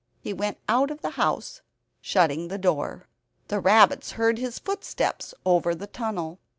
He went out of the house, shutting the front door. The rabbits heard his footsteps over the tunnel.